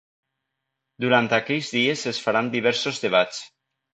Durant aquells dies es faran diversos debats.